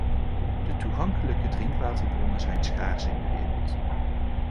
De toegankelijke drinkwaterbronnen zijn schaars in de wereld.